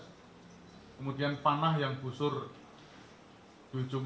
sekarang masih dalam proses analisa